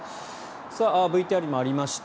ＶＴＲにもありました